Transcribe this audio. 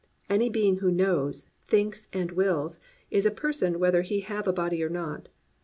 Any being who knows, thinks and wills is a person whether he have a body or not.